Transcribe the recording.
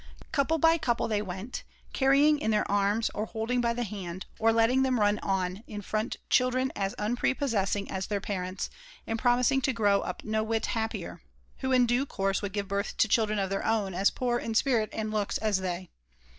Couple by couple they went, carrying in their arms or holding by the hand or letting them run on in front children as unprepossessing as their parents and promising to grow up no whit happier, who in due course would give birth to children of their own as poor in spirit and looks as they.